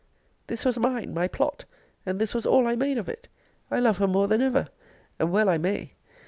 This was mine, my plot! and this was all I made of it! I love her more than ever! And well I may!